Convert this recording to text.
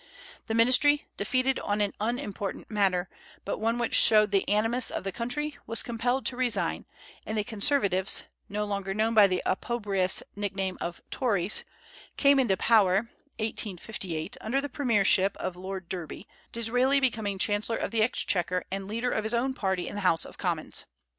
The ministry, defeated on an unimportant matter, but one which showed the animus of the country, was compelled to resign, and the Conservatives no longer known by the opprobrious nickname of Tories came into power (1858) under the premiership of Lord Derby, Disraeli becoming chancellor of the exchequer and leader of his own party in the House of Commons.